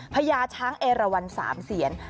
พระเยช้างเอระวันสามเศียร